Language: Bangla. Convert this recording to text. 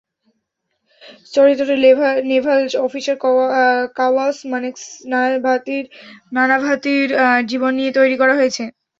চরিত্রটি নেভাল অফিসার কাওয়াস মানেকশ নানাভাতির জীবন নিয়ে তৈরি করা হয়েছে।